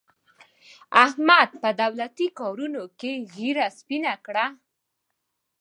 احمد په دولتي کارونو کې ږېره سپینه کړه.